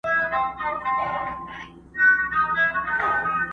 نور څه نسته هغه سپی دی او دی خر دی.!